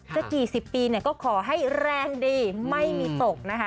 ใกล้สิบปีก็ขอให้แรงดีไม่มีตก